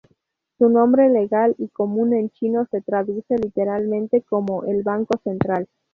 Su nombre legal y común en chino se traduce literalmente como el "Banco Central".